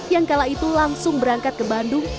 yang kala itu langsung berangkat ke bandung